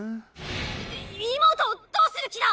い妹をどうする気だ